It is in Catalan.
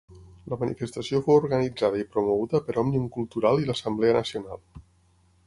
La manifestació fou organitzada i promoguda per Òmnium Cultural i l'Assemblea Nacional.